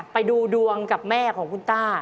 ไปดูดวงกับแม่ของคุณต้า